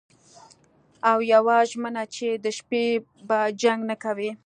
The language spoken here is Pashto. او یوه ژمنه چې د شپې به جنګ نه کوئ